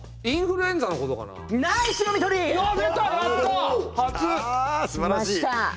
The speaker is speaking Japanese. インフルエンザのことかな。